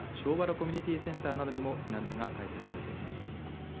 庄原コミュニティーセンターなども避難所が開設されています。